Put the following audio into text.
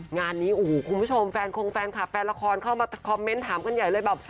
งานนี้โอ้โหคุณผู้ชมแฟนคงแฟนคลับแฟนละครเข้ามาคอมเมนต์ถามกันใหญ่เลยแบบ